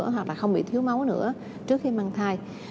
hoặc là không bị thiếu máu nữa trước khi mang thai